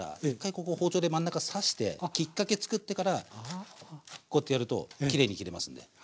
ここ包丁で真ん中刺してきっかけ作ってからこうやってやるときれいに切れますんで。